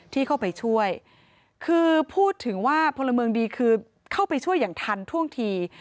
ที่เข้าไปช่วยคือพูดถึงว่าพลเมืองดีคือเข้าไปช่วยอย่างทันท่วงที